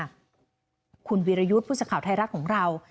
คุณวีรยุทธ์ผู้สื่อข่าวไทยรัฐของเรา